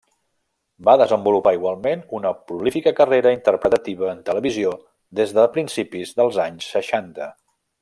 Va desenvolupar igualment una prolífica carrera interpretativa en televisió des de principis dels anys seixanta.